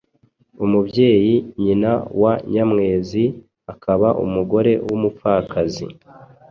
Umubyeyi (nyina) wa Nyamwezi, akaba umugore w’umupfakazi